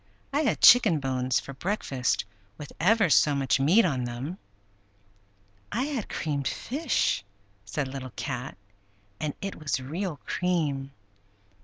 I had chicken bones for breakfast, with ever so much meat on them!" "I had creamed fish," said Little Cat; "and it was real cream.